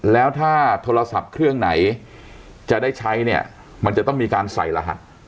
แล้วถ้าโทรศัพท์เครื่องไหนจะได้ใช้เนี่ยมันจะต้องมีการใส่รหัส